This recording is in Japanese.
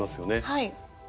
はい。